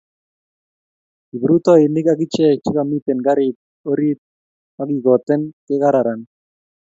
Kiprutoinik agiche chekamitei gariit orit ak kegoten kekarani.